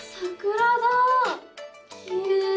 きれい。